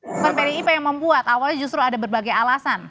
bukan pdip yang membuat awalnya justru ada berbagai alasan